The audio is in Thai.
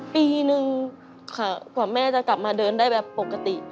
ปีนึงค่ะกว่าแม่จะกลับมาเดินได้แบบปกติ